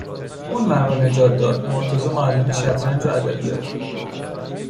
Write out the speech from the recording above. اون من رو نجات داد مرتضی معلم شطرنج و ادبیاته